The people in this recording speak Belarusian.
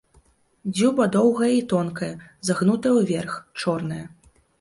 Дзюба доўгая і тонкая, загнутая ўверх, чорная.